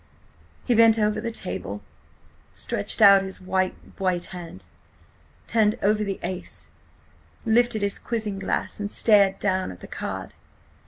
"He bent over the table. .. stretched out his white, white hand. .. turned over the ace. .. lifted his quizzing glass. .. and stared down at the card.